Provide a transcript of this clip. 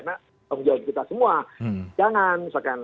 menjawab kita semua jangan misalkan